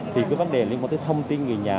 thì cái vấn đề liên quan tới thông tin người nhà